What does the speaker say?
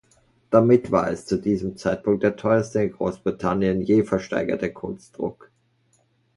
Damit war es zu diesem Zeitpunkt der teuerste in Großbritannien je versteigerte Kunstdruck.